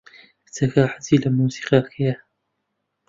کچەکە حەزی لە مۆسیقاکەیە.